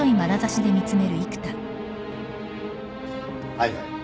はいはい。